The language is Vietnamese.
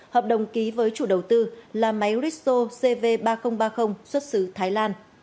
hợp đồng ký với chủ đầu tư là máy rito cv ba nghìn ba mươi xuất xứ thái lan